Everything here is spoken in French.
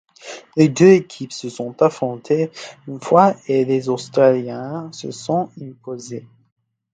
Les deux équipes se sont affrontées une fois et les australiens se sont imposés.